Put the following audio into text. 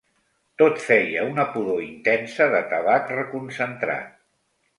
Tot feia una pudor intensa de tabac reconcentrat.